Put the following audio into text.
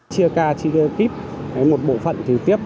chia ca chia kíp một bộ phận thì tiếp